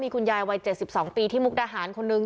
คุณยายวัย๗๒ปีที่มุกดาหารคนนึง